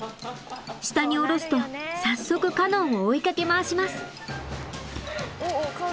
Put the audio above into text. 下に降ろすと早速カノンを追いかけ回します。